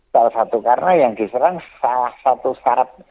salah satu karena yang diserang salah satu syarat